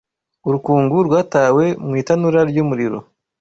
Urukungu rwatawe mu itanura ry’umuriro,